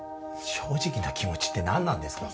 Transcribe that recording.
正直な気持ちって何なんですか？